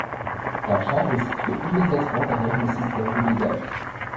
La charge est située immédiatement derrière le système de guidage.